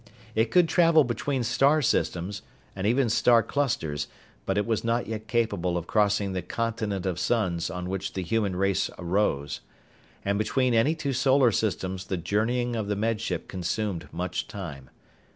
It could travel between star systems and even star clusters, but it was not yet capable of crossing the continent of suns on which the human race arose. And between any two solar systems the journeying of the Med Ship consumed much time.